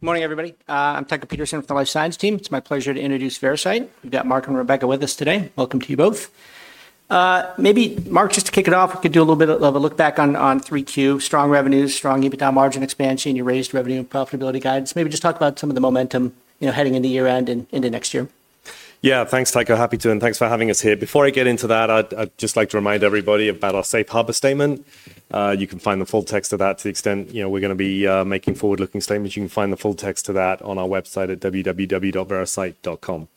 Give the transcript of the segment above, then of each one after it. Good morning, everybody. I'm Tycho Peterson with the Life Science team. It's my pleasure to introduce Veracyte. We've got Marc and Rebecca with us today. Welcome to you both. Maybe, Marc, just to kick it off, we could do a little bit of a look back on 3Q: strong revenues, strong EBITDA margin expansion, your raised revenue and profitability guidance. Maybe just talk about some of the momentum heading into year-end and into next year. Yeah, thanks, Tycho. Happy to, and thanks for having us here. Before I get into that, I'd just like to remind everybody about our Safe Harbor statement. You can find the full text of that to the extent we're going to be making forward-looking statements. You can find the full text of that on our website at www.veracyte.com.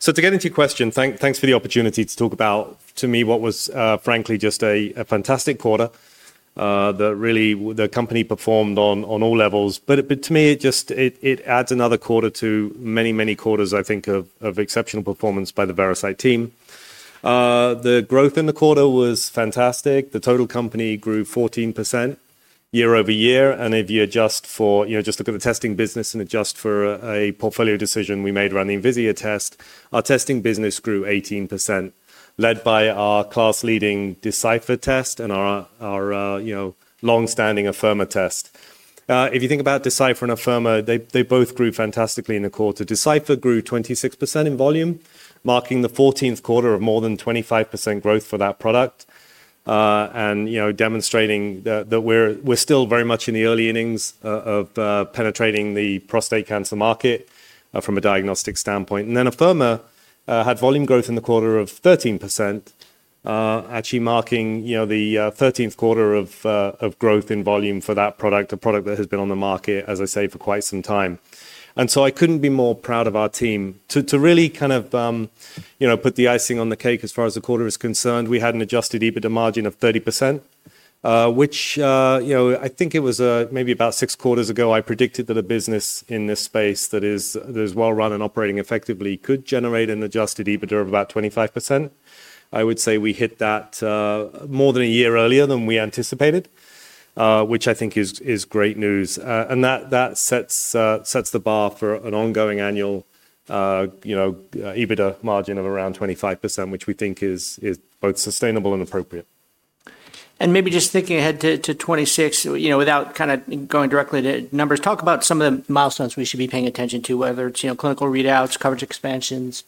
To get into your question, thanks for the opportunity to talk about, to me, what was, frankly, just a fantastic quarter. The company performed on all levels, but to me, it just adds another quarter to many, many quarters, I think, of exceptional performance by the Veracyte team. The growth in the quarter was fantastic. The total company grew 14% year-over-year. If you adjust for, just look at the testing business and adjust for a portfolio decision we made around the Envisia test, our testing business grew 18%, led by our class-leading Decipher test and our long-standing Afirma test. If you think about Decipher and Afirma, they both grew fantastically in the quarter. Decipher grew 26% in volume, marking the 14th quarter of more than 25% growth for that product, and demonstrating that we're still very much in the early innings of penetrating the prostate cancer market from a diagnostic standpoint. Afirma had volume growth in the quarter of 13%, actually marking the 13th quarter of growth in volume for that product, a product that has been on the market, as I say, for quite some time. I couldn't be more proud of our team. To really kind of put the icing on the cake as far as the quarter is concerned, we had an adjusted EBITDA margin of 30%, which I think it was maybe about six quarters ago, I predicted that a business in this space that is well-run and operating effectively could generate an adjusted EBITDA of about 25%. I would say we hit that more than a year earlier than we anticipated, which I think is great news. That sets the bar for an ongoing annual EBITDA margin of around 25%, which we think is both sustainable and appropriate. Maybe just thinking ahead to 2026, without kind of going directly to numbers, talk about some of the milestones we should be paying attention to, whether it's clinical readouts, coverage expansions.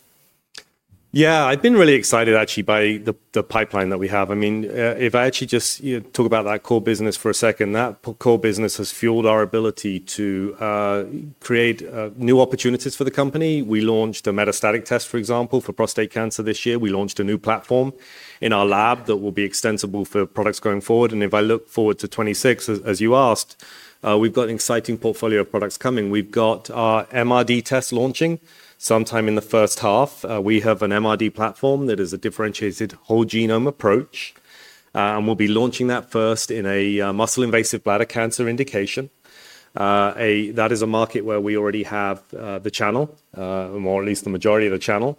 Yeah, I've been really excited, actually, by the pipeline that we have. I mean, if I actually just talk about that core business for a second, that core business has fueled our ability to create new opportunities for the company. We launched a metastatic test, for example, for prostate cancer this year. We launched a new platform in our lab that will be extensible for products going forward. If I look forward to 2026, as you asked, we've got an exciting portfolio of products coming. We've got our MRD test launching sometime in the first half. We have an MRD platform that is a differentiated whole genome approach, and we'll be launching that first in a muscle-invasive bladder cancer indication. That is a market where we already have the channel, or at least the majority of the channel.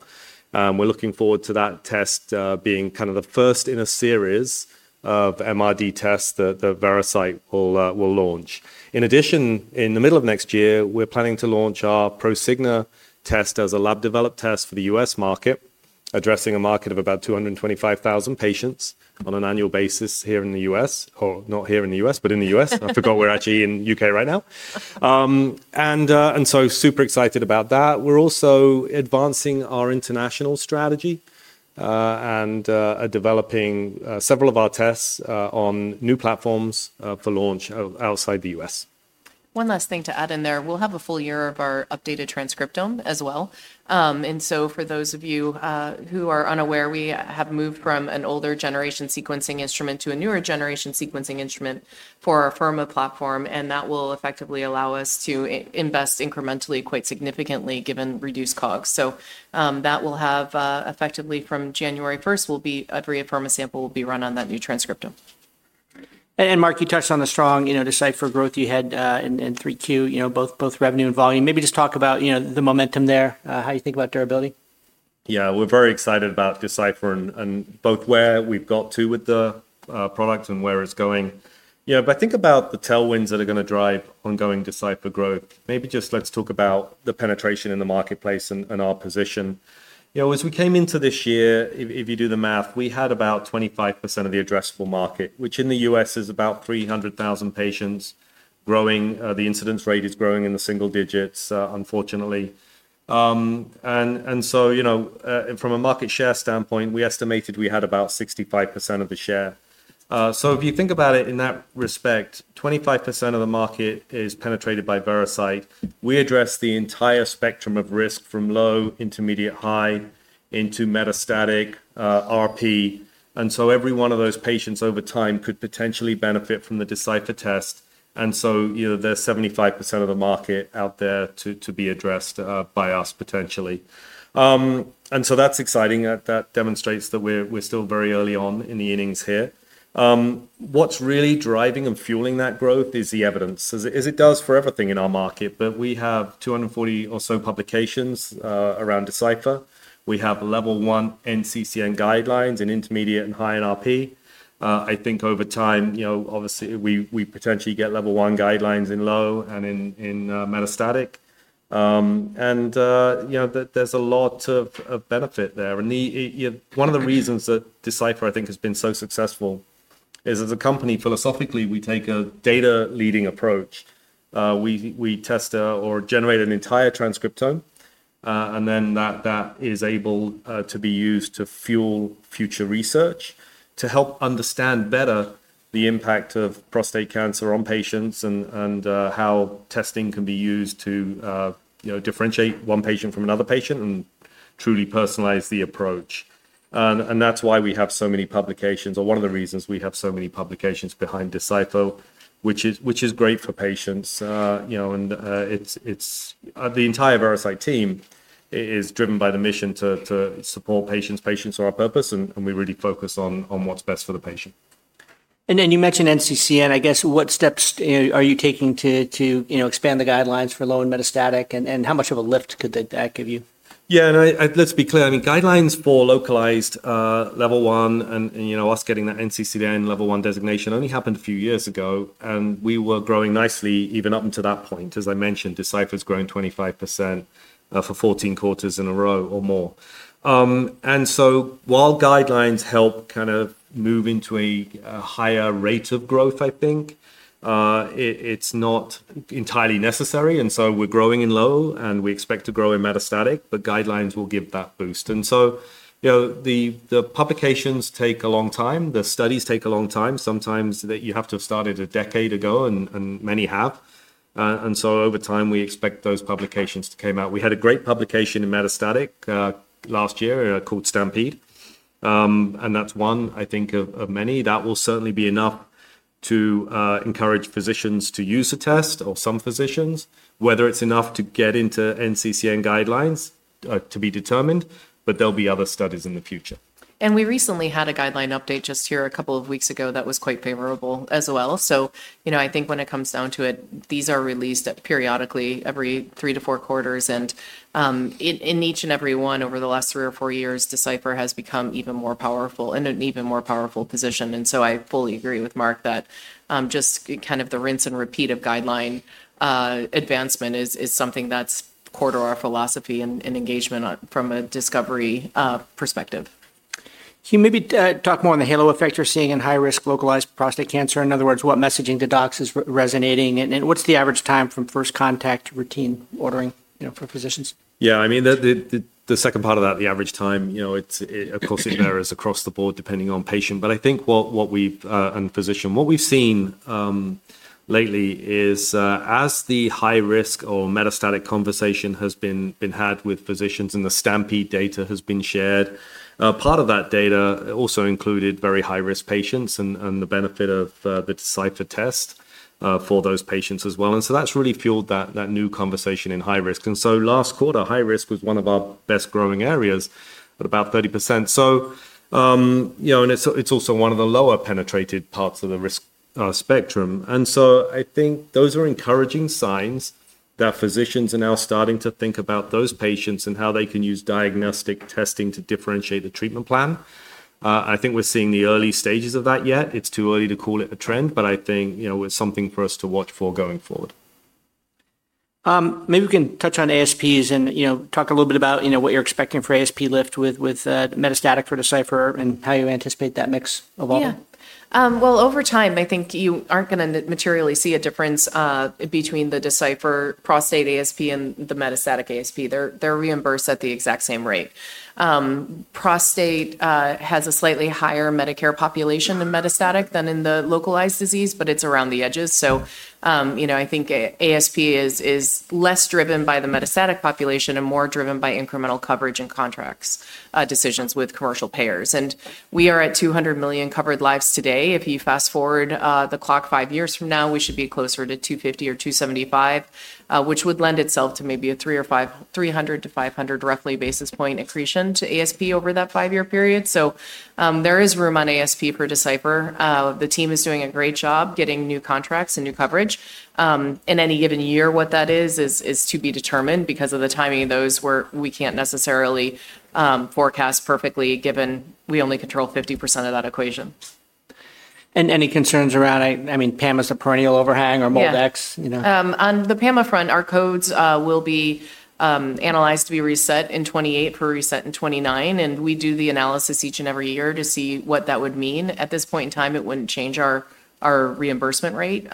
We're looking forward to that test being kind of the first in a series of MRD tests that Veracyte will launch. In addition, in the middle of next year, we're planning to launch our Prosigna test as a lab-developed test for the U.S. market, addressing a market of about 225,000 patients on an annual basis here in the U.S., or not here in the U.S., but in the U.S. I forgot we're actually in the U.K. right now. I mean, super excited about that. We're also advancing our international strategy and developing several of our tests on new platforms for launch outside the U.S. One last thing to add in there. We'll have a full year of our updated transcriptome as well. For those of you who are unaware, we have moved from an older generation sequencing instrument to a newer generation sequencing instrument for our Afirma platform, and that will effectively allow us to invest incrementally quite significantly given reduced costs. That will have, effectively from January 1, every Afirma sample will be run on that new transcriptome. Marc, you touched on the strong Decipher growth you had in 3Q, both revenue and volume. Maybe just talk about the momentum there, how you think about durability. Yeah, we're very excited about Decipher and both where we've got to with the product and where it's going. I think about the tailwinds that are going to drive ongoing Decipher growth. Maybe just let's talk about the penetration in the marketplace and our position. As we came into this year, if you do the math, we had about 25% of the addressable market, which in the U.S. is about 300,000 patients. The incidence rate is growing in the single digits, unfortunately. From a market share standpoint, we estimated we had about 65% of the share. If you think about it in that respect, 25% of the market is penetrated by Veracyte. We address the entire spectrum of risk from low, intermediate, high into metastatic, RP. Every one of those patients over time could potentially benefit from the Decipher test. There is 75% of the market out there to be addressed by us potentially. That is exciting. That demonstrates that we are still very early on in the innings here. What is really driving and fueling that growth is the evidence, as it does for everything in our market. We have 240 or so publications around Decipher. We have level one NCCN Guidelines in intermediate and high in RP. I think over time, obviously, we potentially get level one guidelines in low and in metastatic. There is a lot of benefit there. One of the reasons that Decipher, I think, has been so successful is as a company, philosophically, we take a data-leading approach. We test or generate an entire transcriptome, and then that is able to be used to fuel future research to help understand better the impact of prostate cancer on patients and how testing can be used to differentiate one patient from another patient and truly personalize the approach. That is why we have so many publications, or one of the reasons we have so many publications behind Decipher, which is great for patients. The entire Veracyte team is driven by the mission to support patients. Patients are our purpose, and we really focus on what's best for the patient. You mentioned NCCN. I guess, what steps are you taking to expand the guidelines for low and metastatic, and how much of a lift could that give you? Yeah, and let's be clear. I mean, guidelines for localized level one and us getting that NCCN level one designation only happened a few years ago, and we were growing nicely even up until that point. As I mentioned, Decipher's grown 25% for 14 quarters in a row or more. While guidelines help kind of move into a higher rate of growth, I think, it's not entirely necessary. We're growing in low, and we expect to grow in metastatic, but guidelines will give that boost. The publications take a long time. The studies take a long time. Sometimes you have to have started a decade ago, and many have. Over time, we expect those publications to come out. We had a great publication in metastatic last year called STAMPEDE. That's one, I think, of many. That will certainly be enough to encourage physicians to use a test or some physicians, whether it's enough to get into NCCN Guidelines to be determined, but there'll be other studies in the future. We recently had a guideline update just here a couple of weeks ago that was quite favorable as well. I think when it comes down to it, these are released periodically every three to four quarters. In each and every one over the last three or four years, Decipher has become even more powerful and in an even more powerful position. I fully agree with Marc that just kind of the rinse and repeat of guideline advancement is something that's core to our philosophy and engagement from a discovery perspective. Can you maybe talk more on the halo effect you're seeing in high-risk localized prostate cancer? In other words, what messaging to docs is resonating, and what's the average time from first contact to routine ordering for physicians? Yeah, I mean, the second part of that, the average time, of course, is there is across the board depending on patient. But I think what we've and physician, what we've seen lately is as the high-risk or metastatic conversation has been had with physicians and the STAMPEDE data has been shared, part of that data also included very high-risk patients and the benefit of the Decipher test for those patients as well. That has really fueled that new conversation in high risk. Last quarter, high risk was one of our best growing areas at about 30%. It is also one of the lower penetrated parts of the risk spectrum. I think those are encouraging signs that physicians are now starting to think about those patients and how they can use diagnostic testing to differentiate the treatment plan. I think we're seeing the early stages of that yet. It's too early to call it a trend, but I think it's something for us to watch for going forward. Maybe we can touch on ASPs and talk a little bit about what you're expecting for ASP lift with metastatic for Decipher and how you anticipate that mix evolving. Yeah. Over time, I think you aren't going to materially see a difference between the Decipher Prostate ASP and the metastatic ASP. They're reimbursed at the exact same rate. Prostate has a slightly higher Medicare population than metastatic than in the localized disease, but it's around the edges. I think ASP is less driven by the metastatic population and more driven by incremental coverage and contract decisions with commercial payers. We are at 200 million covered lives today. If you fast forward the clock five years from now, we should be closer to 250 or 275, which would lend itself to maybe a 300-500 roughly basis point accretion to ASP over that five-year period. There is room on ASP for Decipher. The team is doing a great job getting new contracts and new coverage. In any given year, what that is is to be determined because of the timing of those where we can't necessarily forecast perfectly given we only control 50% of that equation. Any concerns around, I mean, PAMA as a perennial overhang or MolDX? Yeah. On the PAMA front, our codes will be analyzed to be reset in 2028 for reset in 2029. We do the analysis each and every year to see what that would mean. At this point in time, it would not change our reimbursement rate.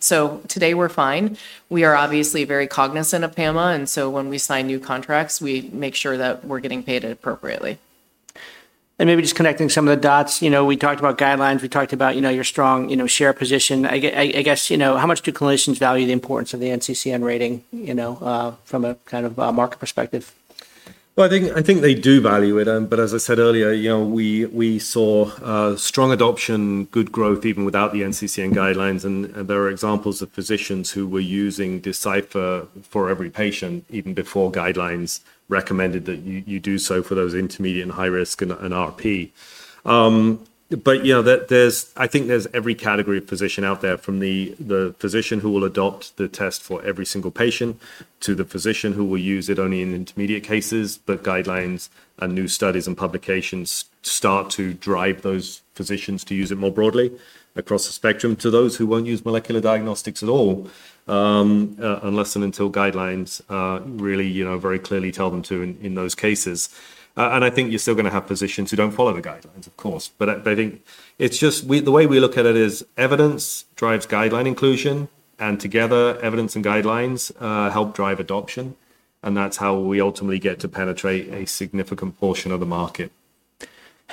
Today we are fine. We are obviously very cognizant of PAMA. When we sign new contracts, we make sure that we are getting paid appropriately. Maybe just connecting some of the dots, we talked about guidelines. We talked about your strong share position. I guess, how much do clinicians value the importance of the NCCN rating from a kind of market perspective? I think they do value it. As I said earlier, we saw strong adoption, good growth even without the NCCN guidelines. There are examples of physicians who were using Decipher for every patient even before guidelines recommended that you do so for those intermediate and high risk and RP. I think there's every category of physician out there from the physician who will adopt the test for every single patient to the physician who will use it only in intermediate cases. Guidelines and new studies and publications start to drive those physicians to use it more broadly across the spectrum to those who will not use molecular diagnostics at all unless and until guidelines really very clearly tell them to in those cases. I think you're still going to have physicians who do not follow the guidelines, of course. I think it's just the way we look at it is evidence drives guideline inclusion. And together, evidence and guidelines help drive adoption. That's how we ultimately get to penetrate a significant portion of the market.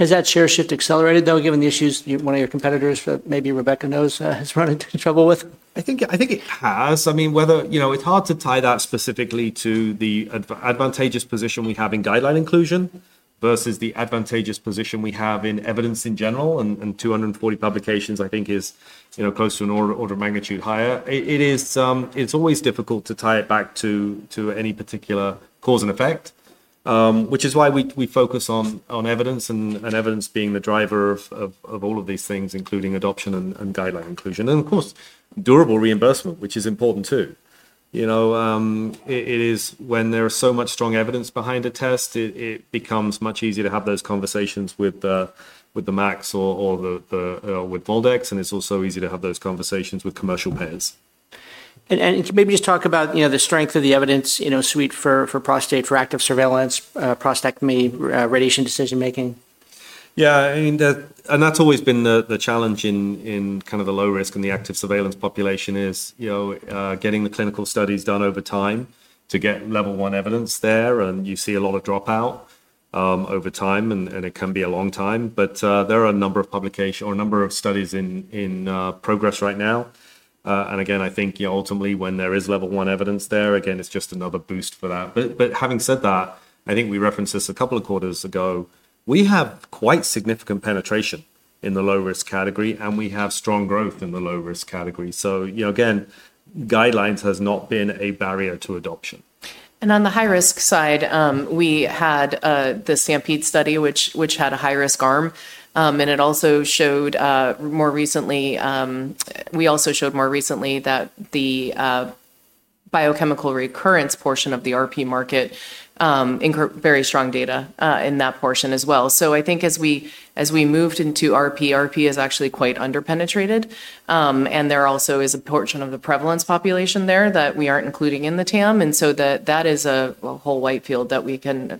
Has that share shift accelerated though, given the issues one of your competitors, maybe Rebecca knows, has run into trouble with? I think it has. I mean, it's hard to tie that specifically to the advantageous position we have in guideline inclusion versus the advantageous position we have in evidence in general. And 240 publications, I think, is close to an order of magnitude higher. It's always difficult to tie it back to any particular cause and effect, which is why we focus on evidence and evidence being the driver of all of these things, including adoption and guideline inclusion. Of course, durable reimbursement, which is important too. It is when there is so much strong evidence behind a test, it becomes much easier to have those conversations with the MACs or with MolDX. It's also easier to have those conversations with commercial payers. Maybe just talk about the strength of the evidence suite for Prostate for active surveillance, prostatectomy, radiation decision-making. Yeah. That's always been the challenge in kind of the low risk and the active surveillance population, getting the clinical studies done over time to get level one evidence there. You see a lot of dropout over time, and it can be a long time. There are a number of publications or a number of studies in progress right now. I think ultimately when there is level one evidence there, it's just another boost for that. Having said that, I think we referenced this a couple of quarters ago. We have quite significant penetration in the low risk category, and we have strong growth in the low risk category. Guidelines have not been a barrier to adoption. On the high risk side, we had the STAMPEDE study, which had a high risk arm. It also showed more recently, we also showed more recently that the biochemical recurrence portion of the RP market incurred very strong data in that portion as well. I think as we moved into RP, RP is actually quite underpenetrated. There also is a portion of the prevalence population there that we are not including in the TAM. That is a whole white field that we can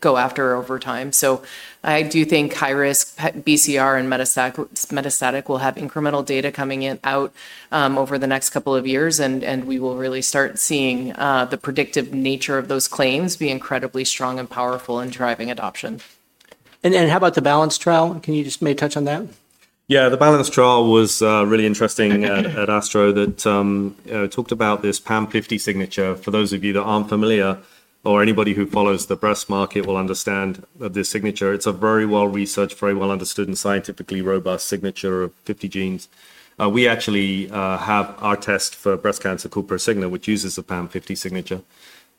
go after over time. I do think high risk BCR and metastatic will have incremental data coming out over the next couple of years. We will really start seeing the predictive nature of those claims be incredibly strong and powerful in driving adoption. How about the balance trial? Can you just maybe touch on that? Yeah, the balance trial was really interesting at Astro that talked about this PAM50 signature. For those of you that aren't familiar or anybody who follows the breast market will understand this signature. It's a very well-researched, very well-understood, and scientifically robust signature of 50 genes. We actually have our test for breast cancer, Prosigna, which uses the PAM50 signature.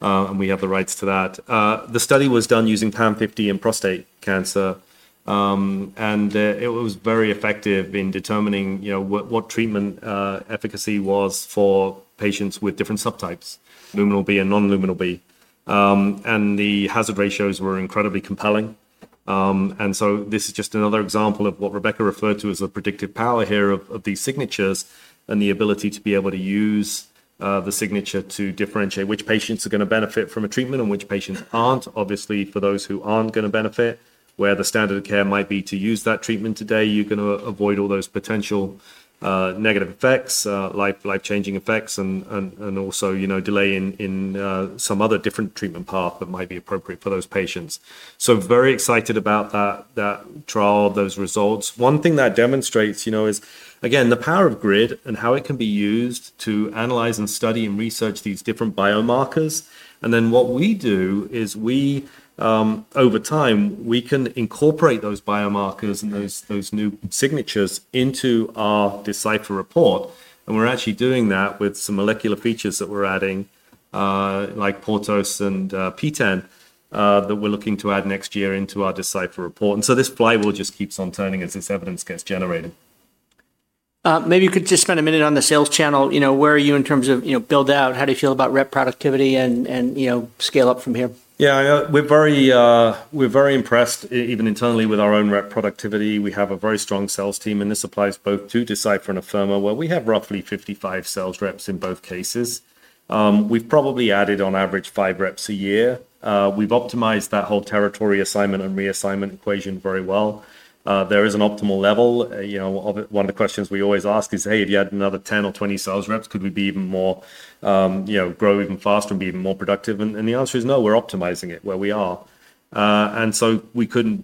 And we have the rights to that. The study was done using PAM50 in prostate cancer. It was very effective in determining what treatment efficacy was for patients with different subtypes, luminal B and non-luminal B. The hazard ratios were incredibly compelling. This is just another example of what Rebecca referred to as the predictive power here of these signatures and the ability to be able to use the signature to differentiate which patients are going to benefit from a treatment and which patients aren't. Obviously, for those who aren't going to benefit, where the standard of care might be to use that treatment today, you're going to avoid all those potential negative effects, life-changing effects, and also delay in some other different treatment path that might be appropriate for those patients. Very excited about that trial, those results. One thing that demonstrates is, again, the power of GRID and how it can be used to analyze and study and research these different biomarkers. What we do is, over time, we can incorporate those biomarkers and those new signatures into our Decipher report. We're actually doing that with some molecular features that we're adding, like PORTOS and P10, that we're looking to add next year into our Decipher report. This flywheel just keeps on turning as this evidence gets generated. Maybe you could just spend a minute on the sales channel. Where are you in terms of build out? How do you feel about rep productivity and scale up from here? Yeah, we're very impressed even internally with our own rep productivity. We have a very strong sales team. This applies both to Decipher and Afirma, where we have roughly 55 sales reps in both cases. We've probably added on average five reps a year. We've optimized that whole territory assignment and reassignment equation very well. There is an optimal level. One of the questions we always ask is, "Hey, if you had another 10 or 20 sales reps, could we grow even faster and be even more productive?" The answer is no, we're optimizing it where we are.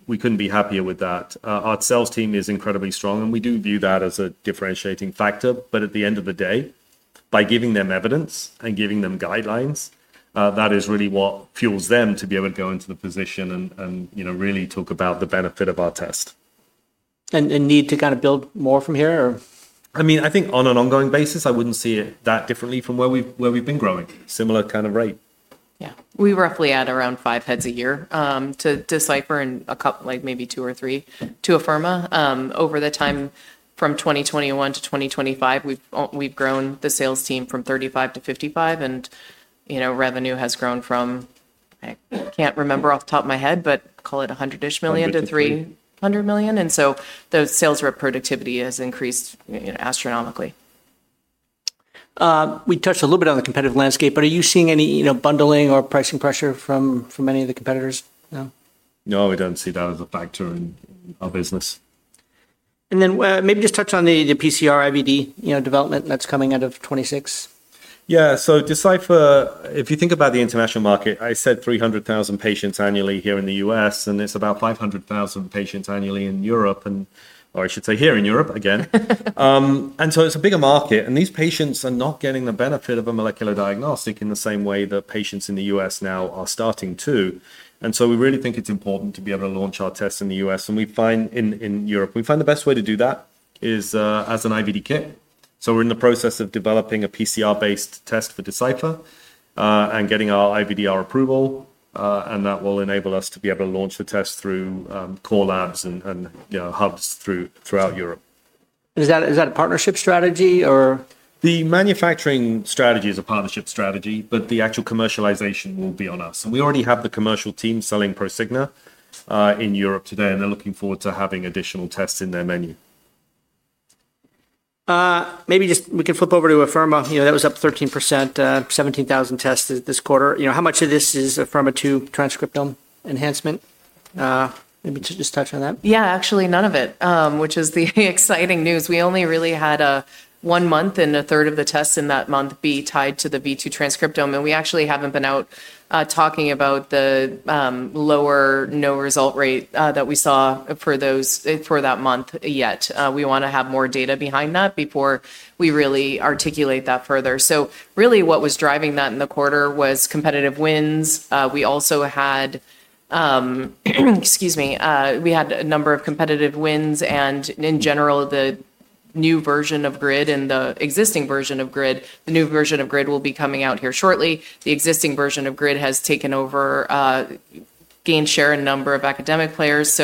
We couldn't be happier with that. Our sales team is incredibly strong, and we do view that as a differentiating factor. At the end of the day, by giving them evidence and giving them guidelines, that is really what fuels them to be able to go into the position and really talk about the benefit of our test. You need to kind of build more from here or? I mean, I think on an ongoing basis, I wouldn't see it that differently from where we've been growing, similar kind of rate. Yeah. We roughly add around five heads a year to Decipher and maybe two or three to Afirma. Over the time from 2021 to 2025, we've grown the sales team from 35 to 55. Revenue has grown from, I can't remember off the top of my head, but call it $100 million-$300 million. The sales rep productivity has increased astronomically. We touched a little bit on the competitive landscape, but are you seeing any bundling or pricing pressure from any of the competitors? No, we don't see that as a factor in our business. Maybe just touch on the PCR IVD development that's coming out of 2026. Yeah. Decipher, if you think about the international market, I said 300,000 patients annually here in the U.S., and it's about 500,000 patients annually in Europe, or I should say here in Europe again. It is a bigger market. These patients are not getting the benefit of a molecular diagnostic in the same way that patients in the U.S. now are starting to. We really think it's important to be able to launch our test in the U.S. In Europe, we find the best way to do that is as an IVD kit. We are in the process of developing a PCR-based test for Decipher and getting our IVDR approval. That will enable us to be able to launch the test through core labs and hubs throughout Europe. Is that a partnership strategy or? The manufacturing strategy is a partnership strategy, but the actual commercialization will be on us. We already have the commercial team selling Prosigna in Europe today, and they're looking forward to having additional tests in their menu. Maybe just we can flip over to Afirma. That was up 13%, 17,000 tests this quarter. How much of this is Afirma 2 transcriptome enhancement? Maybe just touch on that. Yeah, actually, none of it, which is the exciting news. We only really had one month and a third of the tests in that month be tied to the V2 transcriptome. We actually haven't been out talking about the lower no result rate that we saw for that month yet. We want to have more data behind that before we really articulate that further. Really, what was driving that in the quarter was competitive wins. We also had, excuse me, we had a number of competitive wins. In general, the new version of GRID and the existing version of GRID, the new version of GRID will be coming out here shortly. The existing version of GRID has taken over, gained share in number of academic players.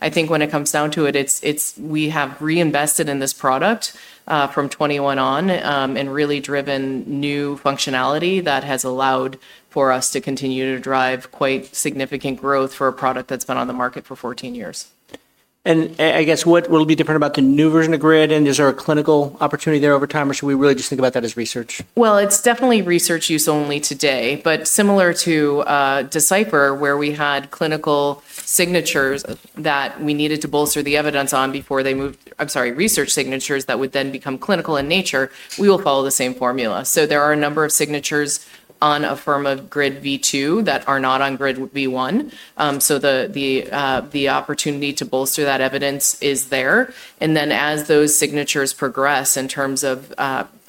I think when it comes down to it, we have reinvested in this product from 2021 on and really driven new functionality that has allowed for us to continue to drive quite significant growth for a product that's been on the market for 14 years. I guess what will be different about the new version of GRID? Is there a clinical opportunity there over time, or should we really just think about that as research? It is definitely research use only today. Similar to Decipher, where we had clinical signatures that we needed to bolster the evidence on before they moved, I'm sorry, research signatures that would then become clinical in nature, we will follow the same formula. There are a number of signatures on Afirma GRID V2 that are not on GRID V1. The opportunity to bolster that evidence is there. As those signatures progress in terms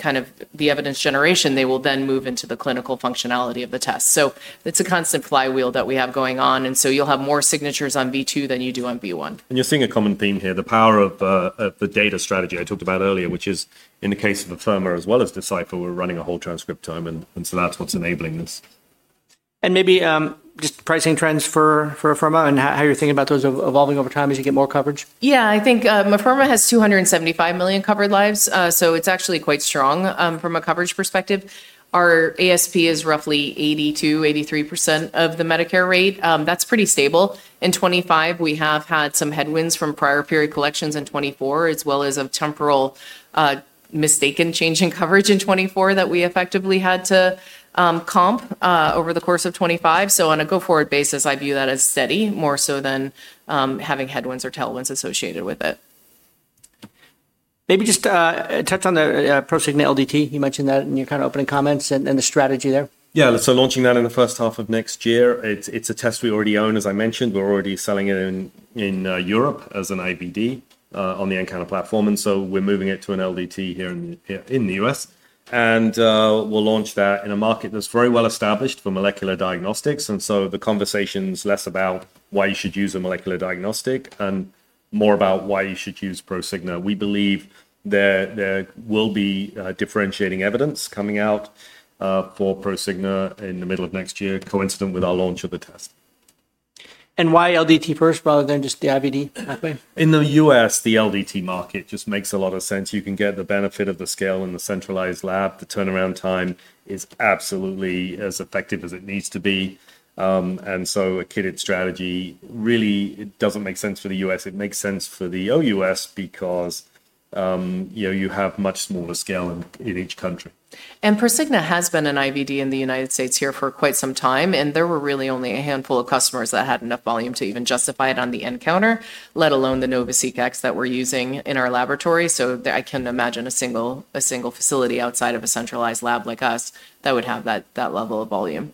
of the evidence generation, they will then move into the clinical functionality of the test. It is a constant flywheel that we have going on. You will have more signatures on V2 than you do on V1. You're seeing a common theme here, the power of the data strategy I talked about earlier, which is in the case of Afirma as well as Decipher, we're running a whole transcriptome. That's what's enabling this. Maybe just pricing trends for Afirma and how you're thinking about those evolving over time as you get more coverage. Yeah, I think Afirma has 275 million covered lives. So it's actually quite strong from a coverage perspective. Our ASP is roughly 82%-83% of the Medicare rate. That's pretty stable. In 2025, we have had some headwinds from prior period collections in 2024, as well as a temporal mistaken change in coverage in 2024 that we effectively had to comp over the course of 2025. On a go-forward basis, I view that as steady, more so than having headwinds or tailwinds associated with it. Maybe just touch on the Prosigna LDT. You mentioned that in your kind of opening comments and the strategy there. Yeah, launching that in the first half of next year. It's a test we already own, as I mentioned. We're already selling it in Europe as an IVD on the Encounter platform. We're moving it to an LDT here in the U.S. We'll launch that in a market that's very well established for molecular diagnostics. The conversation is less about why you should use a molecular diagnostic and more about why you should use Prosigna. We believe there will be differentiating evidence coming out for Prosigna in the middle of next year, coincident with our launch of the test. Why LDT first rather than just the IVD? In the U.S., the LDT market just makes a lot of sense. You can get the benefit of the scale in the centralized lab. The turnaround time is absolutely as effective as it needs to be. A kitted strategy really doesn't make sense for the US. It makes sense for the OUS because you have much smaller scale in each country. Prosigna has been an IVD in the United States here for quite some time. There were really only a handful of customers that had enough volume to even justify it on the Encounter, let alone the NovaCX that we're using in our laboratory. I can't imagine a single facility outside of a centralized lab like us that would have that level of volume.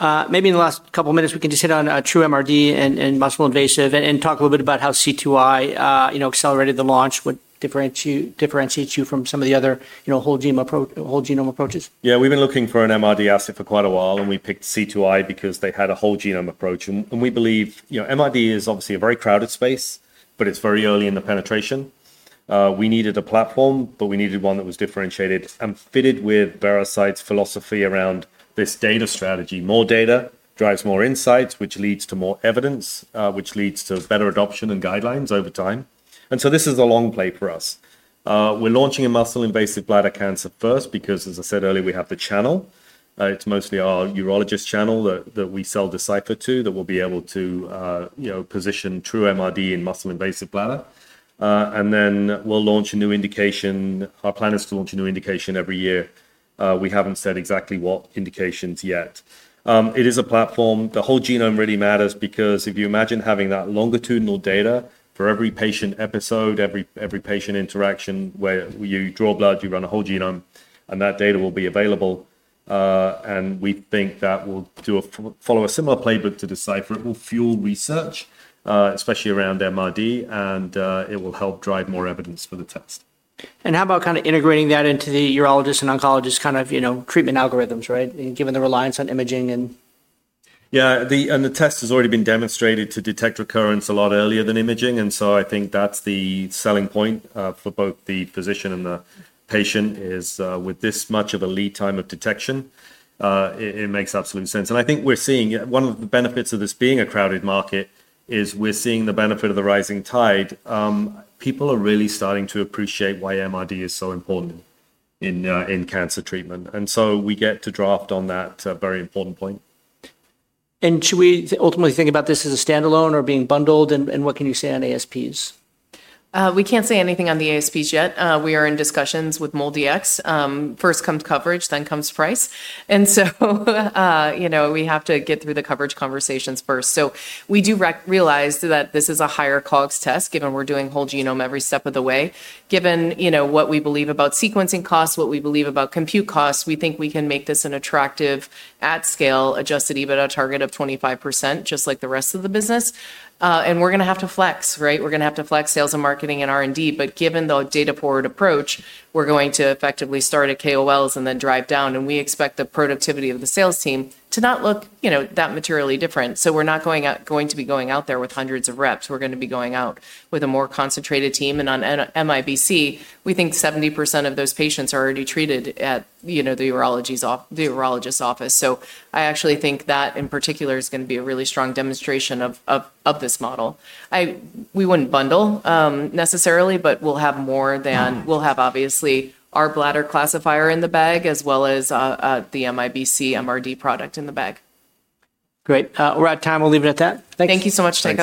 Maybe in the last couple of minutes, we can just hit on True MRD and muscle invasive and talk a little bit about how C2i accelerated the launch, what differentiates you from some of the other whole genome approaches. Yeah, we've been looking for an MRD asset for quite a while, and we picked C2i because they had a whole genome approach. We believe MRD is obviously a very crowded space, but it's very early in the penetration. We needed a platform, but we needed one that was differentiated and fitted with Veracyte's philosophy around this data strategy. More data drives more insights, which leads to more evidence, which leads to better adoption and guidelines over time. This is a long play for us. We're launching a muscle-invasive bladder cancer first because, as I said earlier, we have the channel. It's mostly our urologist channel that we sell Decipher to that will be able to position True MRD in muscle-invasive bladder. We'll launch a new indication. Our plan is to launch a new indication every year. We haven't said exactly what indications yet. It is a platform. The whole genome really matters because if you imagine having that longitudinal data for every patient episode, every patient interaction where you draw blood, you run a whole genome, and that data will be available. We think that will follow a similar playbook to Decipher. It will fuel research, especially around MRD, and it will help drive more evidence for the test. How about kind of integrating that into the urologist and oncologist kind of treatment algorithms, right, given the reliance on imaging? Yeah, the test has already been demonstrated to detect recurrence a lot earlier than imaging. I think that's the selling point for both the physician and the patient is with this much of a lead time of detection, it makes absolute sense. I think we're seeing one of the benefits of this being a crowded market is we're seeing the benefit of the rising tide. People are really starting to appreciate why MRD is so important in cancer treatment. We get to draft on that very important point. Should we ultimately think about this as a standalone or being bundled? What can you say on ASPs? We can't say anything on the ASPs yet. We are in discussions with MolDX. First comes coverage, then comes price. We have to get through the coverage conversations first. We do realize that this is a higher cost test, given we're doing whole genome every step of the way. Given what we believe about sequencing costs, what we believe about compute costs, we think we can make this an attractive at scale, adjusted EBITDA target of 25%, just like the rest of the business. We're going to have to flex, right? We're going to have to flex sales and marketing and R&D. Given the data-forward approach, we're going to effectively start at KOLs and then drive down. We expect the productivity of the sales team to not look that materially different. We're not going to be going out there with hundreds of reps. We're going to be going out with a more concentrated team. On MIBC, we think 70% of those patients are already treated at the urologist's office. I actually think that in particular is going to be a really strong demonstration of this model. We wouldn't bundle necessarily, but we'll have more than—we'll have obviously our bladder classifier in the bag as well as the MIBC MRD product in the bag. Great. We're out of time. We'll leave it at that. Thanks. Thank you so much, Tim.